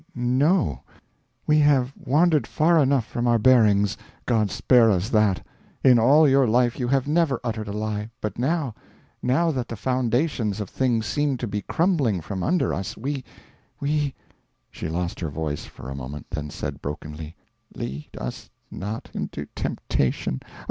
no. We have wandered far enough from our bearings God spare us that! In all your life you have never uttered a lie. But now now that the foundations of things seem to be crumbling from under us, we we " She lost her voice for a moment, then said, brokenly, "Lead us not into temptation...